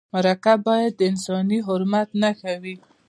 مرکه باید د انساني حرمت نښه وي.